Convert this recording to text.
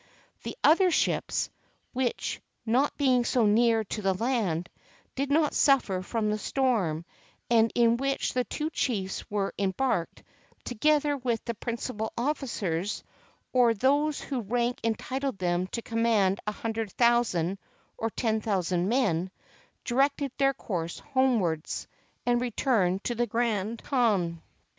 The other ships, which, not being so near to the land, did not suffer from the storm, and in which the two chiefs were embarked, together with the principal officers, or those whose rank entitled them to command a hundred thousand or ten thousand men, directed their course homewards, and returned to the Grand Khan.